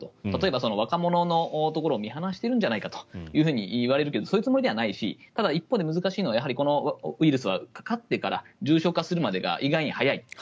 例えば若者のところを見放しているんじゃないかといわれるけどそういうつもりではないし一方で難しいのはこのウイルスはかかってから重症化するまでが意外に早い。